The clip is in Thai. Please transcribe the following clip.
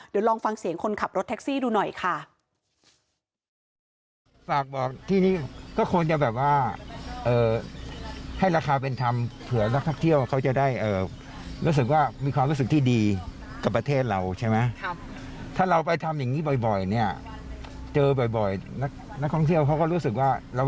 เดี๋ยวลองฟังเสียงคนขับรถแท็กซี่ดูหน่อยค่ะ